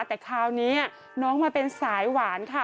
แต่คราวนี้น้องมาเป็นสายหวานค่ะ